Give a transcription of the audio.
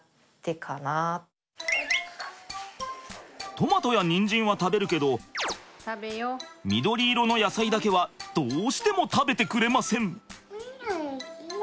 トマトやにんじんは食べるけど緑色の野菜だけはどうしても食べてくれません！